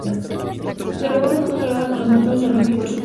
La revuelta fue controlada con la muerte de Serrano y otros sublevados.